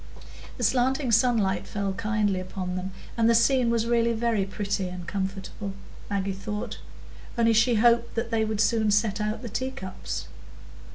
The slanting sunlight fell kindly upon them, and the scene was really very pretty and comfortable, Maggie thought, only she hoped they would soon set out the tea cups.